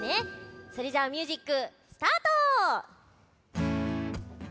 それじゃミュージックスタート！